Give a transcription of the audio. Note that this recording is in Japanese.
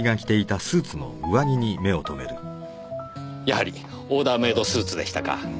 やはりオーダーメードスーツでしたか。